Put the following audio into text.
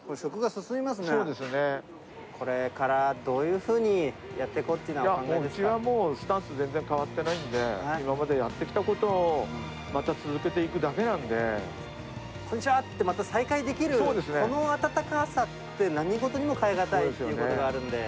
これからどういうふうにやっていこうっていうふうに思ってまもう、うちはもう、スタンス全然変わってないんで、今までやってきたことを、また続けていくこんにちはって、また再会できるこの温かさって、何事にも代え難いということがあるんで。